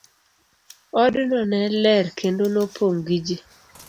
Odno ne ler kendo nopong' gi ji.